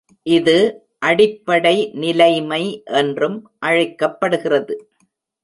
இது ‘அடிப்படை நிலைமை‘ என்றும் அழைக்கப்படுகிறது.